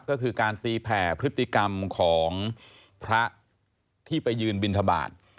ก็คือการตีแผ่พฤติกรรมของพระที่ไปยืนบินทบาท